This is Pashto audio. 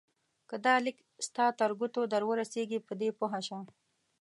که دا لیک ستا تر ګوتو درورسېږي په دې پوه شه.